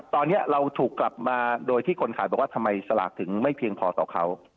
ตอนนี้เราถูกกลับมาโดยที่คนขายบอกว่าทำไมสลากถึงไม่เพียงพอต่อเขา